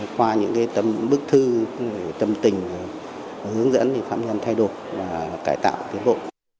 qua những bức thư tâm tình hướng dẫn thì phạm nhân thay đổi và cải tạo tiến bộ